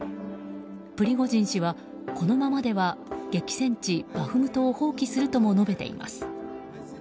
プリゴジン氏は、このままでは激戦地バフムトを放棄するとも述べています。